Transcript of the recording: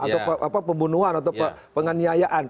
atau pembunuhan atau penganiayaan